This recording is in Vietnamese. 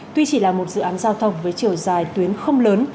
tuy chỉ là một dự án giao thông với chiều dài tuyến không lớn